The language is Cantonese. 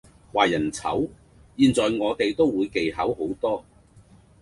話人醜，現在我哋都會技巧好多